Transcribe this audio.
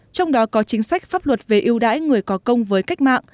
trong đó có chính sách pháp luật về ưu đãi người có công với cách mạng